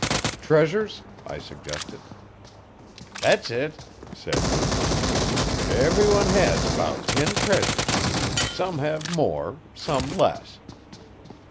'Treasures?' I suggested. 'Thet's it,' said he. 'Ev'ry one hes about ten treasures. Some hev more some less.